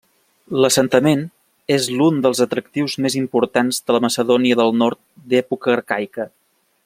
L'assentament és l'un dels atractius més importants de Macedònia del Nord d'època arcaica.